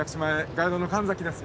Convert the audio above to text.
ガイドの神です。